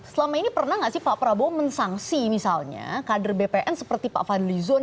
selama ini pernah gak sih pak prabowo mensangsi misalnya kader bpm seperti pak fadlizon